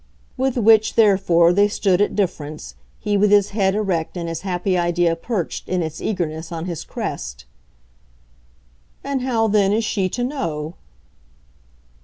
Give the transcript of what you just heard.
With which therefore they stood at difference, he with his head erect and his happy idea perched, in its eagerness, on his crest. "And how then is she to know?"